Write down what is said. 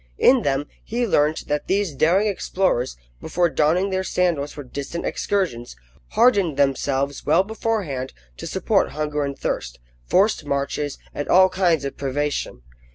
In them, he learnt that these daring explorers, before donning their sandals for distant excursions, hardened themselves well beforehand to support hunger and thirst, forced marches, and all kinds of privation.